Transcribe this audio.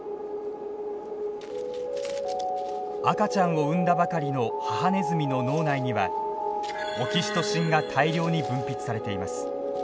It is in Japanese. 赤ちゃんを産んだばかりの母ネズミの脳内にはオキシトシンが大量に分泌されています。